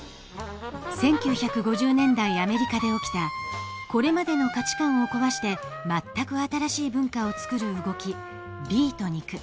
１９５０年代アメリカで起きたこれまでの価値観を壊して全く新しい文化をつくる動き「ビートニク」。